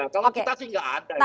kalau kita sih nggak ada